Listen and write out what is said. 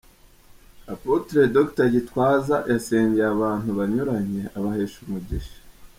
Apotre Dr Gitwaza yasengeye abantu banyuranye abahesha umugisha.